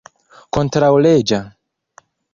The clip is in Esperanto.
kontraŭleĝa